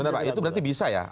benar pak itu berarti bisa ya